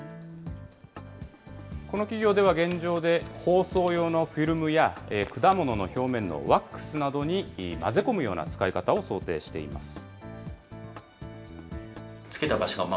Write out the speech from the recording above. この企業では、現状で包装用のフィルムや、果物の表面のワックスなどに混ぜ込むような使い方を想定しています。